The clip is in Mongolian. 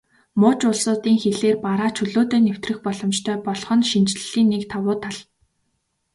Муж улсуудын хилээр бараа чөлөөтэй нэвтрэх боломжтой болох нь шинэчлэлийн нэг давуу тал.